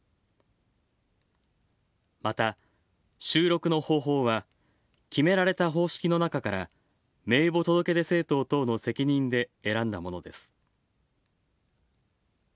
また、収録の方法は決められた方式の中から名簿届出政党等の責任で選んだものです。